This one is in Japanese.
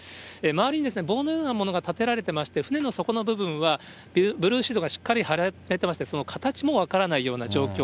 周りに棒のようなものが立てられていまして、船の底の部分は、ブルーシートがしっかり張られてまして、その形も分からないような状況。